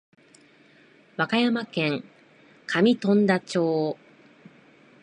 和歌山県上富田町